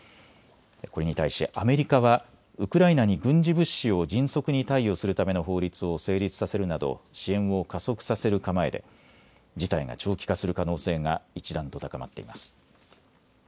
これに対しアメリカはウクライナに軍事物資を迅速に貸与するための法律を成立させるなど支援を加速させる構えで事態が長期化する可能性が一段と高まっています。